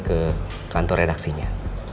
ke kantor redaksinya